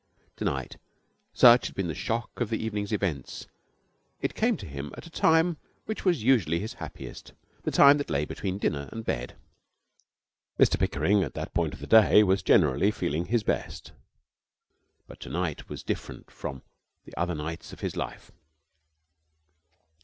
To night, such had been the shock of the evening's events, it came to him at a time which was usually his happiest the time that lay between dinner and bed. Mr Pickering at that point of the day was generally feeling his best. But to night was different from the other nights of his life.